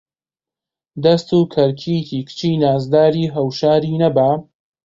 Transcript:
دەست و کەرکیتی کچی نازداری هەوشاری نەبا